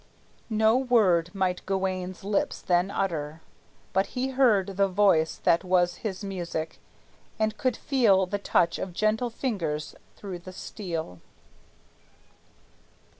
No word Might Gawayne's lips then utter, but he heard The voice that was his music, and could feel The touch of gentle fingers through the steel.